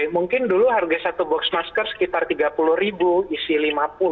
mungkin dulu harga satu box masker sekitar rp tiga puluh isi lima puluh